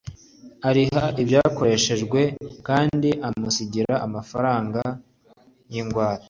ariha ibyakoreshejwe kandi amusigira amafaranga y'ingwate,